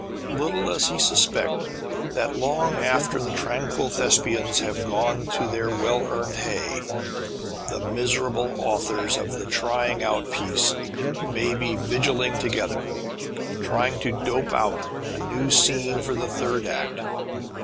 Little does he suspect that long after the tranquil thespians have gone to their well earned hay, the miserable authors of the trying out piece may be vigiling together, trying to dope out a new scene for the third act.